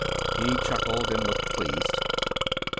He chuckled and looked pleased.